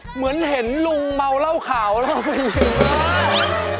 เหมือนเห็นลุงเมาเหล้าขาวเล่าไปเลย